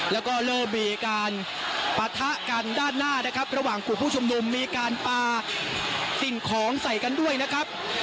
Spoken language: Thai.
แล้วก็เริ่มมีการปะทะกันด้านหน้านะครับระหว่างกลุ่มผู้ชุมนุมมีการปลาสิ่งของใส่กันด้วยนะครับ